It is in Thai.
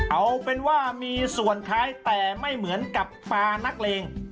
เอาเป็นว่ามีส่วนคล้ายแต่ไม่เหมือนกับฟานักเลง